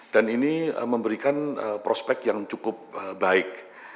dan ini memberikan prospek yang cukup baik